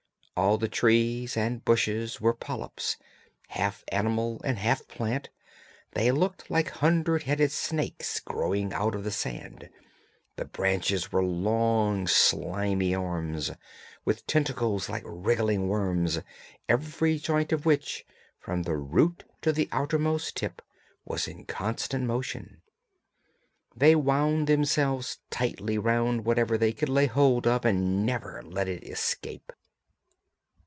All the trees and bushes were polyps, half animal and half plant; they looked like hundred headed snakes growing out of the sand, the branches were long slimy arms, with tentacles like wriggling worms, every joint of which, from the root to the outermost tip, was in constant motion. They wound themselves tightly round whatever they could lay hold of and never let it escape.